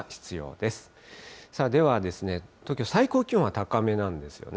では東京、最高気温は高めなんですよね。